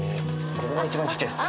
これが一番ちっちゃいです。